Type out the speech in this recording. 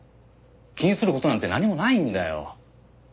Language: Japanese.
気にする事なんて何もないんだよ。